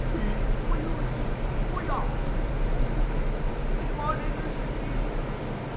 と言うて親兄にも言われぬ首尾。